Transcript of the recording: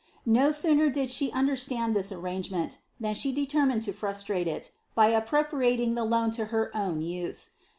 No sooner did she understand thu arrangement, than she determined to frustrate it, by appropriating the loan to her own use.